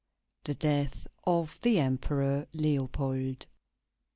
THE DEATH OF THE EMPEROR LEOPOLD.